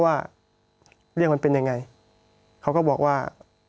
พี่เรื่องมันยังไงอะไรยังไง